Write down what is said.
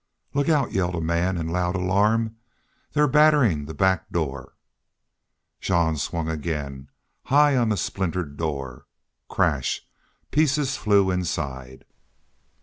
"Look out!" yelled a man, in loud alarm. "They're batterin' the back door!" Jean swung again, high on the splintered door. Crash! Pieces flew inside.